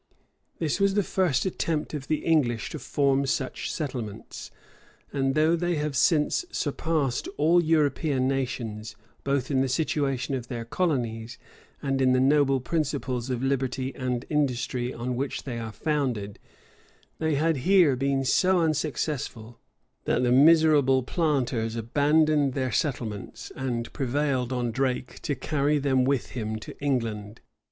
This was the first attempt of the English to form such settlements; and though they have since surpassed all European nations, both in the situation of their colonies, and in the noble principles of liberty and industry on which they are founded, they had here been so unsuccessful, that the miserable planters abandoned their settlements, and prevailed on Drake to carry them with him to England.